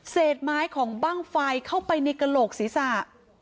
เศษไม้ของบ้างไฟเข้าไปในกระโหลกศีรษะ